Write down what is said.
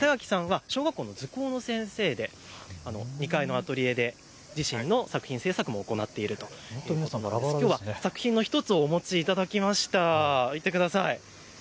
いたがきさんは小学校の図工の先生で２階のアトリエで自身の作品制作も行っているということできょうは作品の１つをお持ちいただきました。